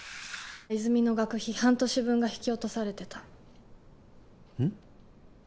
泉実の学費半年分が引き落とされてたうん？